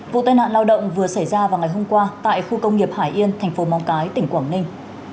vụ tai nạn lao động vừa xảy ra vào ngày hôm qua tại khu công nghiệp hải yên thành phố móng cái tỉnh quảng ninh